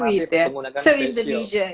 itu sangat manis ya